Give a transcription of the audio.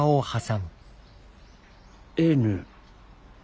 Ｎ。